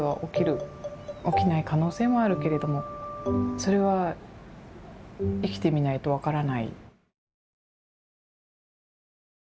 起きない可能性もあるけれどもそれは生きてみないと分からない」。